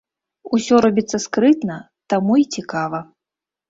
Усё робіцца скрытна, таму і цікава.